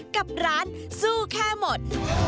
กับร้านสู้แค่หมด